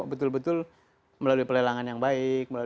betul betul melalui pelelangan yang baik